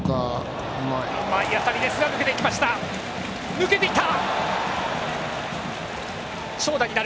抜けていった！